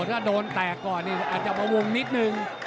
ถ้าโดนแตกก่อนนี่อาจจะมาวงนิดนึง